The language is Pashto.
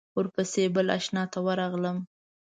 ورپسې بل آشنا ته ورغلم.